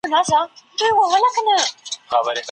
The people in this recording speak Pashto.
ایا د ماشومانو لپاره د مېوو د ګټو په اړه کیسې ویل ګټور دي؟